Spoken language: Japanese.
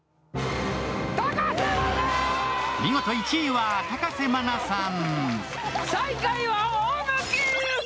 見事１位は高瀬愛奈さん。